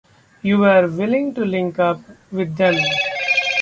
You were willing to link up with them.